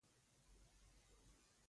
• دښمني سوله ختموي.